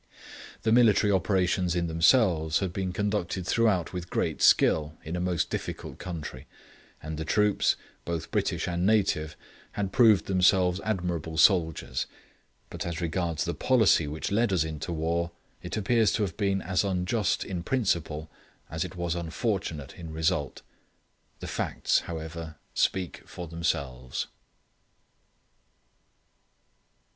The military operations in themselves had been conducted throughout with great skill in a most difficult country, and the troops, both British and Native, had proved themselves admirable soldiers; but as regards the policy which led us into war, it appears to have been as unjust in principle as it was unfortunate in result. The facts, however, speak for themselves.